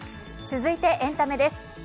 続いてエンタメです。